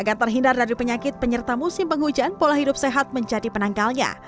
agar terhindar dari penyakit penyertamu simpeng hujan pola hidup sehat menjadi penangkalnya